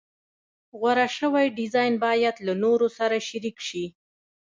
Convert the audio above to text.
غوره شوی ډیزاین باید له نورو سره شریک شي.